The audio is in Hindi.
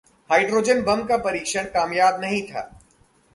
'हाइड्रोजन बम का परीक्षण कामयाब नहीं था'